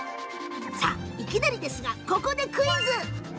さあ、いきなりですがここでクイズ！